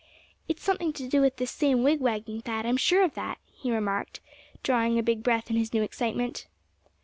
"It's something to do with this same wigwagging, Thad, I'm sure of that?" he remarked, drawing a big breath in his new excitement.